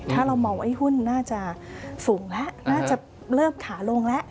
ถ้าเรามองว่าหุ้นน่าจะสูงแล้วน่าจะเริ่มขาลงแล้ว